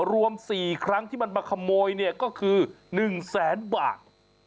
รวม๔ครั้งที่มันมาขโมยเนี่ยก็คือ๑แสนบาท